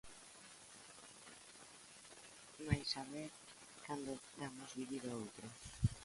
Mais a ver cando damos vivido outro.